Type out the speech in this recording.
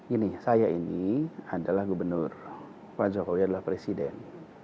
ini saya ini adalah gubernur pak jokowi adalah presiden